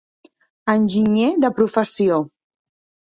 Enginyer de professió.